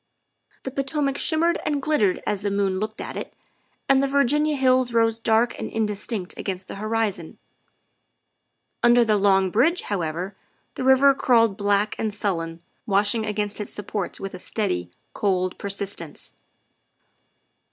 The Potomac shimmered and glittered as the moon looked at it, and the Virginia hills rose dark and indis tinct against the horizon. Under the Long Bridge, how ever, the river crawled black and sullen, washing against its supports with a steady, cold persistence.